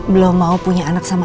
belum mau punya anak sama